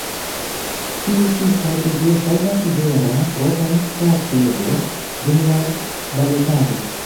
Tiu ĉi strategio ŝajnas vera pro malalta apero dum la balotado.